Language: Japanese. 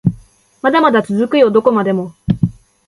まだまだ続くよどこまでも